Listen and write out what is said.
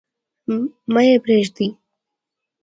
مه يې پريږدﺉ.